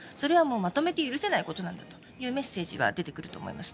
まとめて許せないことなんだというメッセージは出てくると思います。